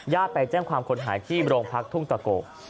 ไปแจ้งความคนหายที่โรงพักทุ่งตะโก